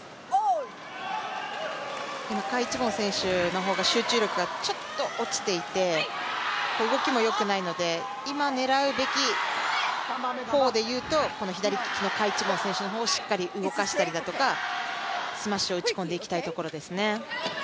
賈一凡選手の方が集中力が落ちていて動きもよくないので今狙うべき選手でいうと、この左利きの賈一凡選手の方をしっかり動かしたりとかスマッシュを打ち込んでいきたいところですね。